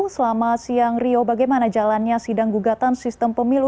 selamat siang rio bagaimana jalannya sidang gugatan sistem pemilu